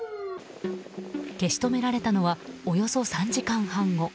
消し止められたのはおよそ３時間半後。